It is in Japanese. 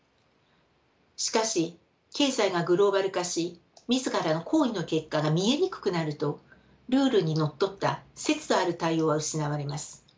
しかし経済がグローバル化し自らの行為の結果が見えにくくなるとルールにのっとった節度ある対応は失われます。